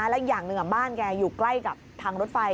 มันดูแลของแฟนแล้วนะอย่างนึงอะบ้านแกอยู่ใกล้กับทางรถไฟ